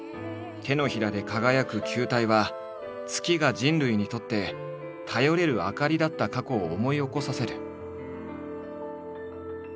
手のひらで輝く球体は月が人類にとって頼れる灯りだった過去を思い起こさせる。